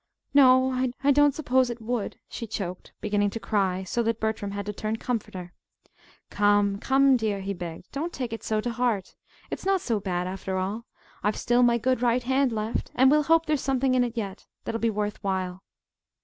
"No, I don't suppose it would," she choked, beginning to cry, so that Bertram had to turn comforter. "Come, come, dear," he begged; "don't take it so to heart. It's not so bad, after all. I've still my good right hand left, and we'll hope there's something in it yet that'll be worth while."